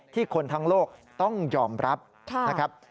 คนทั้งโลกต้องยอมรับนะครับ